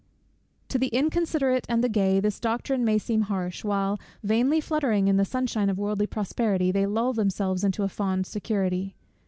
To the inconsiderate and the gay this doctrine may seem harsh, while, vainly fluttering in the sunshine of worldly prosperity, they lull themselves into a fond security.